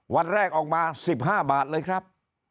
วันแรกออกมา๑๕บาทเลยครับ